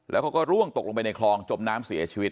แล้วเขาก็ร่วงตกลงไปในคลองจมน้ำเสียชีวิต